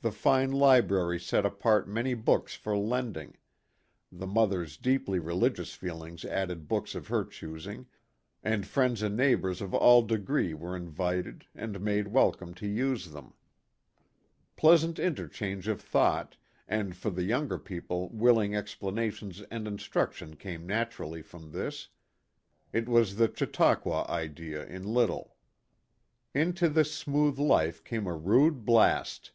The fine library set apart many books for lending the mother's deeply reli gious feelings added books of her choosing, and friends and neighbors of all degree were invited and made welcome to use them. Pleas ant interchange of thought, and for the younger people willing explanations and instruction came naturally from this it was the Chautauqua idea in little. Into this smooth life came a rude blast.